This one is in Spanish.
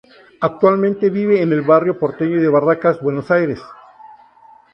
Actualmente vive en el barrio porteño de Barracas, Buenos Aires.